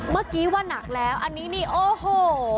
เมื่อกี้ว่านักแล้วอันนี้นี่โอ้โห